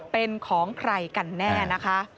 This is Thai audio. เป็นของใครกันแน่นะคะ